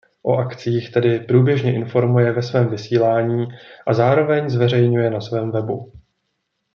O akcích tedy průběžně informuje ve svém vysílání a zároveň zveřejňuje na svém webu.